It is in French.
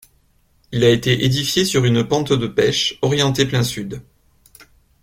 Il a été édifié sur une pente de pech, orientée plein sud.